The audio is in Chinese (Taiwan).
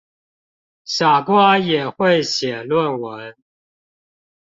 傻瓜也會寫論文